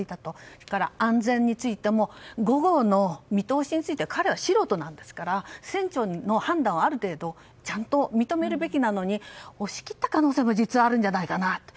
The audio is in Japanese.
それから安全についても午後の見通しについては彼は素人なんですから船長の判断をある程度ちゃんと認めるべきなのに押し切った可能性も実はあるんじゃないかなと。